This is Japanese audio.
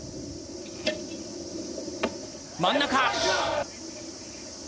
真ん中。